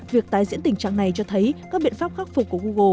việc tái diễn tình trạng này cho thấy các biện pháp khắc phục của google